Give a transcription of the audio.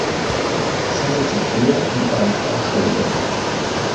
Es handelt sich hier um ernste Anschuldigungen.